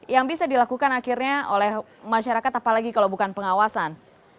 yang bisa dilakukan akhirnya oleh masyarakat apalagi kalau bukan pengawasan